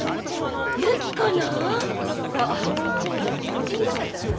うちにいなかったらさ